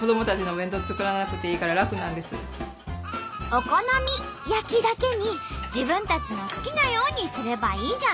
「お好み焼き」だけに自分たちの好きなようにすればいいじゃんね！